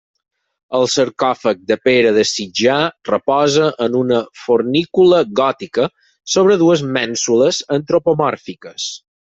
El sarcòfag de Pere de Sitjar reposa en una fornícula gòtica sobre dues mènsules antropomòrfiques.